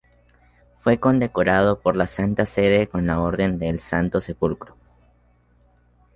Fue condecorado por la Santa Sede con la Orden del Santo Sepulcro.